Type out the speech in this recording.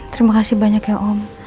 terima kasih banyak ya om